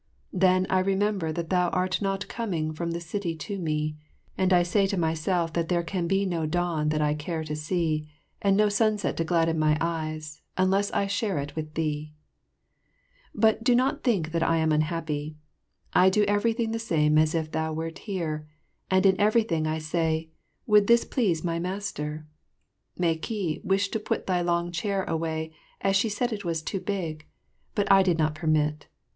Then I remember that thou art not coming from the city to me, and I stay to myself that there can be no dawn that I care to see, and no sunset to gladden my eyes, unless I share it with thee. [Illustration: Mylady02.] But do not think I am unhappy. I do everything the same as if thou wert here, and in everything I say, "Would this please my master?" Meh ki wished to put thy long chair away, as she said it was too big; but I did not permit.